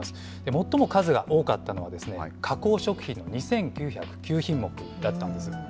最も数が多かったのはですね、加工食品の２９０９品目だったんです。